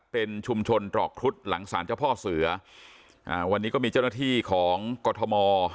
เป็นชุมชนตรอกครุฑหลังศาลเจ้าพ่อเสืออ่าวันนี้ก็มีเจ้าหน้าที่ของกรทม